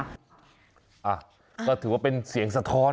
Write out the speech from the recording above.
อ่ะก็ถือว่าเป็นเสียงสะท้อน